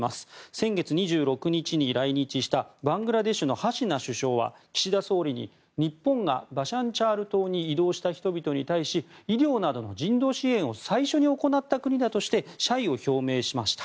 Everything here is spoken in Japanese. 先月２６日に来日したバングラデシュのハシナ首相は岸田総理に日本がバシャンチャール島に移動した人々に対し医療などの人道支援を最初に行った国だとして謝意を表明しました。